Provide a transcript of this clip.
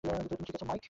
তুমি ঠিক আছ মাইক?